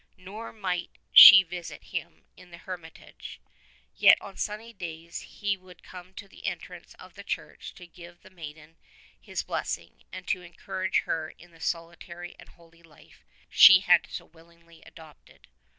Nor might she visit him in the hermitage. Yet on sunny days he would come to the entrance of the church to give the maiden his blessing, and to encourage her in the solitary and holy life she had so willingly adopted.